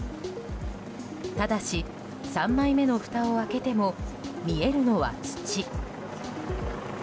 ただし３枚目のふたを開けても見えるのは土。